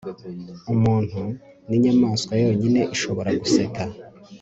Umuntu ninyamaswa yonyine ishobora guseka